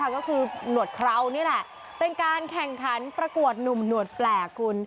ก็คือหนวดคราวไหมเป็นการแข่งทั้งประกวดหนวดแปลก